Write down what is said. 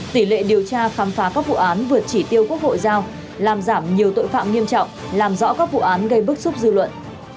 tỷ lệ điều tra khám phá các vụ án vượt chỉ tiêu quốc hội giao làm giảm nhiều tội phạm nghiêm trọng làm rõ các vụ án gây bức xúc dư luận